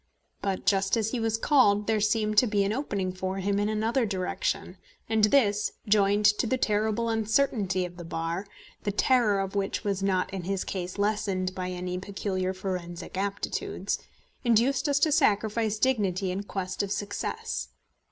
But, just as he was called, there seemed to be an opening for him in another direction; and this, joined to the terrible uncertainty of the Bar, the terror of which was not in his case lessened by any peculiar forensic aptitudes, induced us to sacrifice dignity in quest of success.